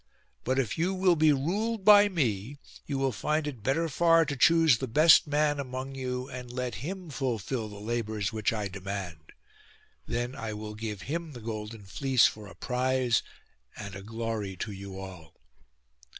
But if you will be ruled by me, you will find it better far to choose the best man among you, and let him fulfil the labours which I demand. Then I will give him the golden fleece for a prize and a glory to you all.